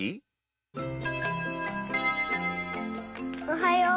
おはよう。